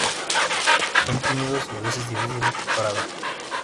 Son tímidos y a veces difíciles para ver.